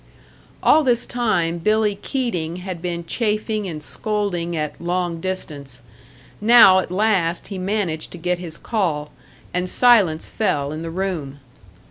All this time Billy Keating had been chafing and scolding at "long distance." Now at last he managed to get his call, and silence fell in the room.